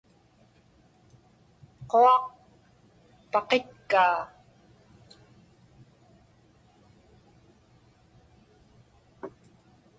Quaq paqitkaa.